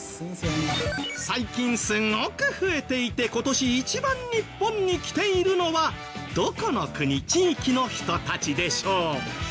最近すごく増えていて今年一番日本に来ているのはどこの国地域の人たちでしょう？